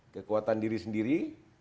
kekuatan diri sendiri